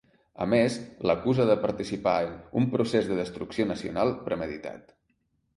A més, l’acusa de participar en ‘un procés de destrucció nacional’ premeditat.